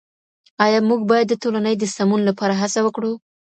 آيا موږ بايد د ټولني د سمون لپاره هڅه وکړو؟